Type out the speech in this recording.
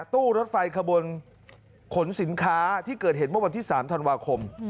ตู้รถไฟขบวนขนสินค้าที่เกิดเห็นวันที่๓ทัวร์คม